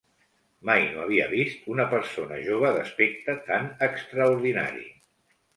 Mai no havia vist una persona jove d'aspecte tan extraordinari.